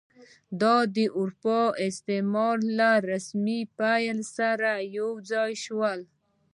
دا د اروپایي استعمار له رسمي پیل سره یو ځای شول.